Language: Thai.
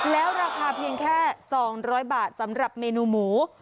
แล้วราคาเพียงแค่๒๐๐บาทสำหรับเมนูหมู